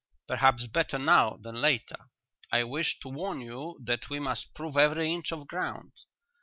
"Perhaps better now than later. I wished to warn you that we must prove every inch of ground.